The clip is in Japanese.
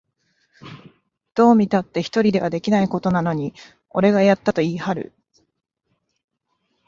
どう見たって一人ではできないことなのに、俺がやったと言いはる